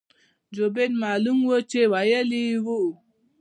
جوبن معلوم وو چې وييلي يې وو-